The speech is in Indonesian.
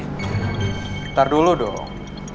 ntar dulu dong